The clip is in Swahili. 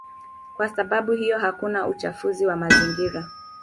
Kwa sababu hiyo hakuna uchafuzi wa mazingira.